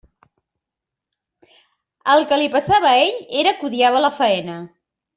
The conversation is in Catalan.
El que li passava a ell era que odiava la faena.